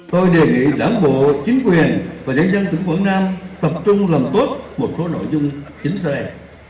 tôi đề nghị đảng bộ chính quyền và nhân dân tỉnh quảng nam tập trung làm tốt một số nội dung chính sẽ